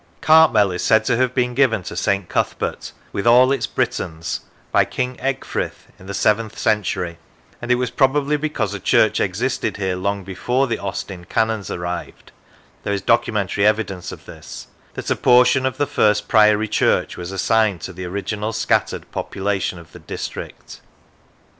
Cartmel is said to have been given to St. Cuthbert, " with all its Britons," by King Ecgfrith in the seventh century, and it was probably because a church existed here long before the Austin canons arrived (there is documentary evidence of this), that a portion of the first Priory church was assigned to the original scattered population of the district.